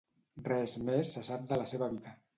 Res més se sap de la seva vida.